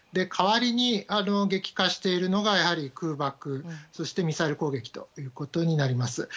代わりに激化しているのがやはり、空爆そして、ミサイル攻撃ということになります。